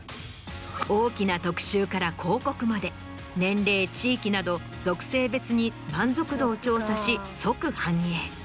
大きな特集から広告まで年齢地域など属性別に満足度を調査し即反映。